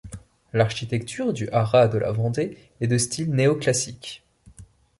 L’architecture du Haras de la Vendée est de style néo-classique.